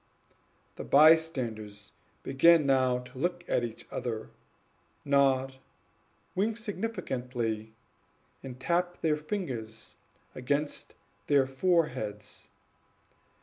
The bystanders began now to look at each other, nod, wink significantly, and tap their fingers against their foreheads.